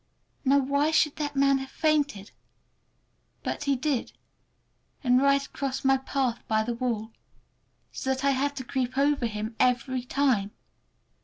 Now why should that man have fainted? But he did, and right across my path by the wall, so that I had to creep over him every time!